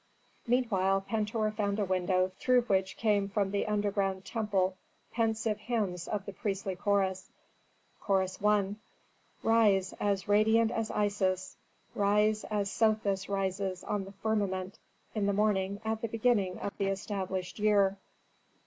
Meanwhile Pentuer found a window through which came from the underground temple pensive hymns of the priestly chorus: Chorus I. "Rise, as radiant as Isis, rise as Sothis rises on the firmament in the morning at the beginning of the established year."